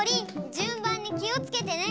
じゅんばんにきをつけてね！